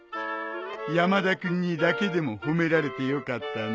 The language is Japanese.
山田君にだけでも褒められてよかったね。